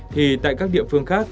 thì tại các địa phương khác